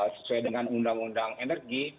sesuai dengan undang undang energi